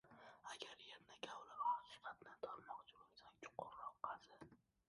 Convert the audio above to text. • Agar yerni kavlab haqiqatni tormoqchi bo‘lsang, chuqurroq qazi.